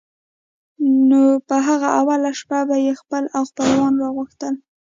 نو په هغه اوله شپه به یې خپل او خپلوان را غوښتل.